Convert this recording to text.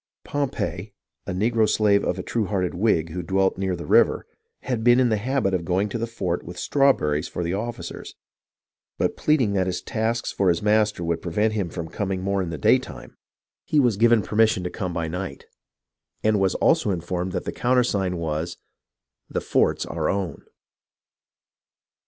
Pompey, a negro slave of a true hearted Whig who dwelt near the river, had been in the habit of going to the fort with strawberries for the officers ; but pleading that his tasks for his master would prevent him from coming more 261 262 HISTORY OF THE AMERICAN REVOLUTION in the daytime, he was given permission to come by night, and was also informed what the countersign was :" The fort's our own."